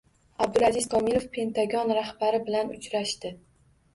Abdulaziz Komilov Pentagon rahbari bilan uchrashdi